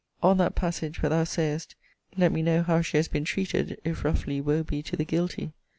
On that passage, where thou sayest, Let me know how she has been treated: if roughly, woe be to the guilty!